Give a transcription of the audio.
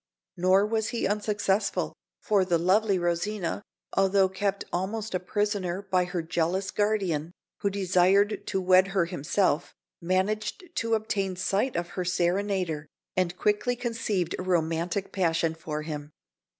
Nor was he unsuccessful; for the lovely Rosina, although kept almost a prisoner by her jealous guardian, who desired to wed her himself, managed to obtain sight of her serenader and quickly conceived a romantic passion for him.